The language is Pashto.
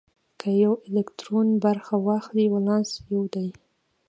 که یو الکترون برخه واخلي ولانس یو دی.